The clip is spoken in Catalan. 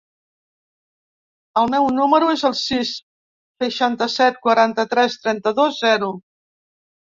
El meu número es el sis, seixanta-set, quaranta-tres, trenta-dos, zero.